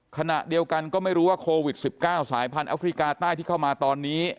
ขณะเดียวกันก็ไม่รู้ว่าโควิด๑๙สายพันธแอฟริกาใต้ที่เข้ามาตอนนี้